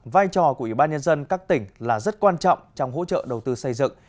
vai trò của ủy ban nhân dân các tỉnh là rất quan trọng trong hỗ trợ đầu tư xây dựng